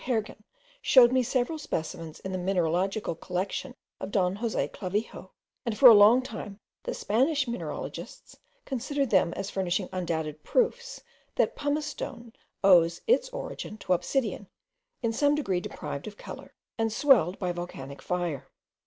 Hergen showed me several specimens in the mineralogical collection of Don Jose Clavijo; and for a long time the Spanish mineralogists considered them as furnishing undoubted proofs, that pumice stone owes its origin to obsidian, in some degree deprived of colour, and swelled by volcanic fire.